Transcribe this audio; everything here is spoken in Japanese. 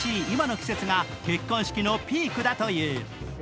今の季節が結婚式のピークだという。